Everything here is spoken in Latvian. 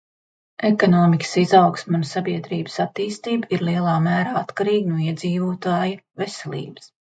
Ekonomikas izaugsme un sabiedrības attīstība ir lielā mērā atkarīga no iedzīvotāju veselības.